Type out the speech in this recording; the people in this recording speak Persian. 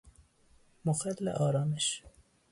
مخل آرامش